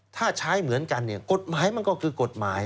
ถ้าใช้เหมือนกันเนี่ยกฎหมายมันก็คือกฎหมาย